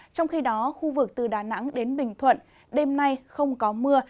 trong khi đó khu vực từ đà nẵng đến bình thuận đêm nay không có mưa